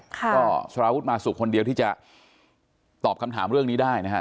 ก็สารวุฒิมาสุกคนเดียวที่จะตอบคำถามเรื่องนี้ได้นะฮะ